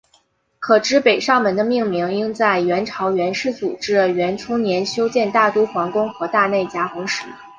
可知北上门的命名应在元朝元世祖至元初年修建大都皇宫和大内夹垣时。